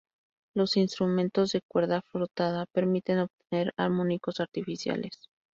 Los instrumentos de cuerda frotada permiten obtener armónicos artificiales.